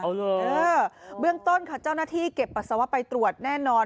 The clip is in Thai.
เออเบื้องต้นค่ะเจ้าหน้าที่เก็บปัสสาวะไปตรวจแน่นอน